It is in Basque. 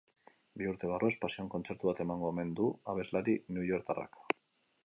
Bi urte barru espazioan kontzertu bat emango omen du abeslari newyorktarrak.